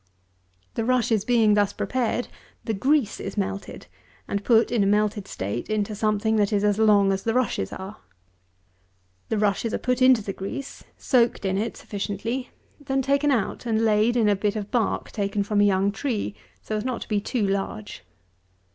195. The rushes being thus prepared, the grease is melted, and put in a melted state into something that is as long as the rushes are. The rushes are put into the grease; soaked in it sufficiently; then taken out and laid in a bit of bark taken from a young tree, so as not to be too large.